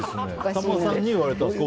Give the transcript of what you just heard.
さんまさんに言われたんですよね。